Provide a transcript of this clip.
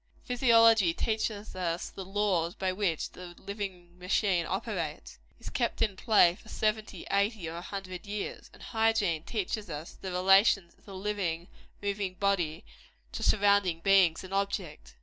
Physiology teaches us the laws by which the living machine operates is kept in play for seventy, eighty, or a hundred years; and Hygiene teaches us the relations of the living, moving human body to surrounding beings and objects.